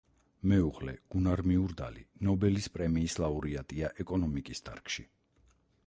მეუღლე გუნარ მიურდალი ნობელის პრემიის ლაურეატია ეკონომიკის დარგში.